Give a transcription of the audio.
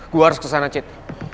gue harus kesana cid